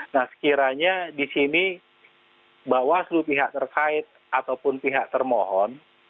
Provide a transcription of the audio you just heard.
nah sekiranya di sini bawaslu pihak terkait ataupun pihak termohon